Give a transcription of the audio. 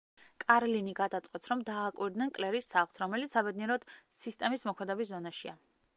კარლინი გადაწყვეტს, რომ დააკვირდნენ კლერის სახლს, რომელიც, საბედნიეროდ, სისტემის მოქმედების ზონაშია.